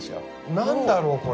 何だろうこれ。